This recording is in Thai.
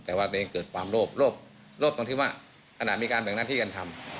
แต่ว่าตัวเองเกิดความโลภตรงที่ว่าขนาดมีการแบ่งหน้าที่กันทำ